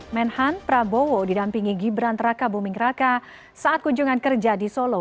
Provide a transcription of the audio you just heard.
menhan prabowo didampingi gibran traka buming raka saat kunjungan kerja di solo